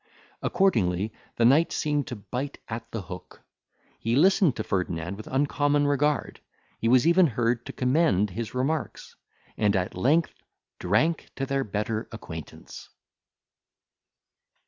Accordingly, the knight seemed to bite at the hook. He listened to Ferdinand with uncommon regard; he was even heard to commend his remarks, and at length drank to their better acquaintance.